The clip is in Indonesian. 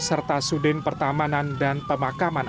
serta sudin pertamanan dan pemakaman